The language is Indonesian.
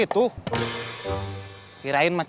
saya tidak bisa makan sayur sama buah